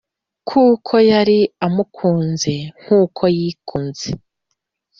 kuko yari amukunze nk’uko yikunze.